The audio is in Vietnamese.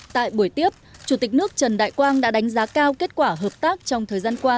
tại buổi tiếp chủ tịch nước trần đại quang đã đánh giá cao kết quả hợp tác trong thời gian qua